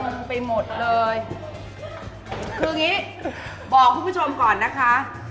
ฉันหงงไปหมดเลยคืออย่างงี้บอกคุณผู้ชมก่อนนะคะ